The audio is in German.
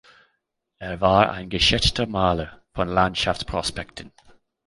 Er war ein geschätzter Maler von Landschafts-Prospekten.